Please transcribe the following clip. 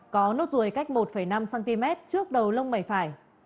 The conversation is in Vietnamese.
có nốt ruồi cách một năm cm trước đầu lông mày phải